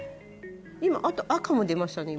今あと赤も出ましたね